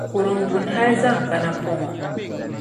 kurimbuni hal zaŋ kana pɔŋɔ.